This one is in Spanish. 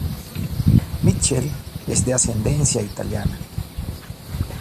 Mitchel es de ascendencia italiana.